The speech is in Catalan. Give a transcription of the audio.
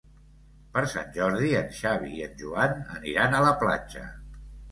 Per Sant Jordi en Xavi i en Joan aniran a la platja.